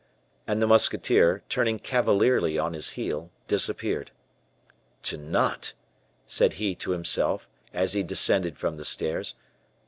And the musketeer, turning cavalierly on his heel, disappeared. "To Nantes!" said he to himself, as he descended from the stairs.